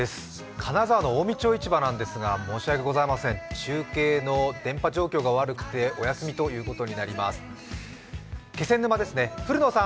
金沢の近江町市場なんですが申し訳ございません、中継の電波状況が悪くてお休みということになります。